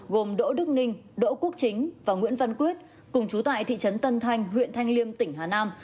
gồm đỗ đức ninh đỗ quốc chính và nguyễn văn quyết cùng chú tại thị trấn tân thanh huyện thanh liêm tỉnh hà nam